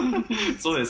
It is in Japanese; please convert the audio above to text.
そうです